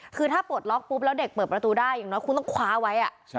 คือถ้าปลดล็อกปุ๊บแล้วเด็กเปิดประตูได้อย่างน้อยคุณต้องคว้าไว้